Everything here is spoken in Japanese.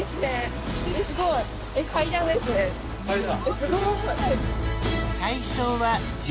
すごい！